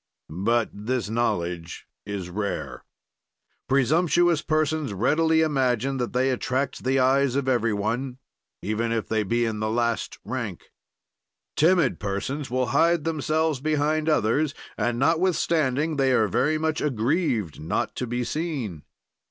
"But this knowledge is rare. "Presumptuous persons readily imagine that they attract the eyes of every one, even if they be in the last rank. "Timid persons will hide themselves behind others and, notwithstanding, they are very much aggrieved not to be seen.